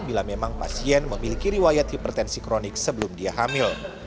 bila memang pasien memiliki riwayat hipertensi kronik sebelum dia hamil